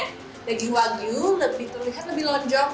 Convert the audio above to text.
daging wagyu lebih terlihat lebih lonjong